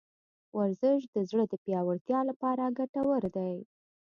ورزش د زړه د پیاوړتیا لپاره ګټور دی.